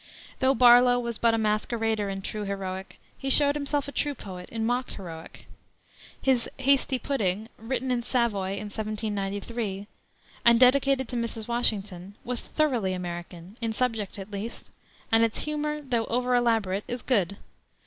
Though Barlow was but a masquerader in true heroic, he showed himself a true poet in mock heroic. His Hasty Pudding, written in Savoy in 1793, and dedicated to Mrs. Washington, was thoroughly American, in subject at least, and its humor, though over elaborate, is good.